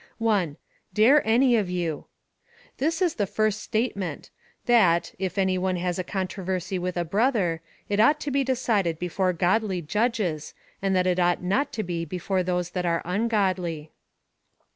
1. Dare any of you. This is the first statement — that, if any one has a controversy with a brother, it ought to be decided before godly judges, and that it ought not to be before those that are ungodly.